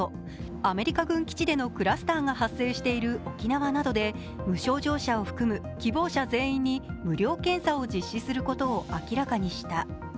アメリカ軍基地でのクラスターが発生している沖縄などで無症状者を含む希望者全員に無料検査を実施することを明らかにした。